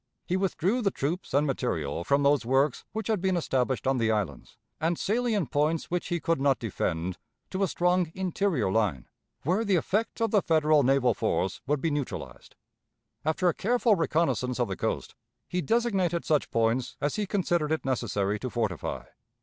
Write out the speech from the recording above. He withdrew the troops and material from those works which had been established on the islands and salient points which he could not defend to a strong interior line, where the effect of the Federal naval force would be neutralized. After a careful reconnaissance of the coast, he designated such points as he considered it necessary to fortify.